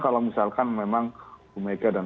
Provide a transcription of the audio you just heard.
kalau misalkan memang bumega dan